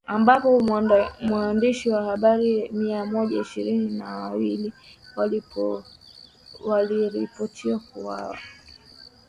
ambapo waandishi wa habari mia moja ishirini na wawili waliripotiwa kuuwawa